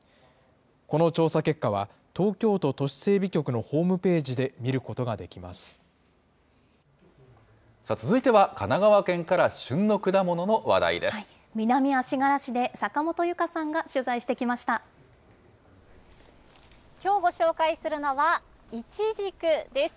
この調査結果は、東京都都市整備局のホームページで見ることがで続いては、神奈川県から旬の南足柄市で、きょう、ご紹介するのはいちじくです。